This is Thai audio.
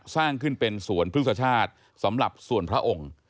สร้างขึ้นเป็นสวนพฤกษชาติสำหรับส่วนพระองค์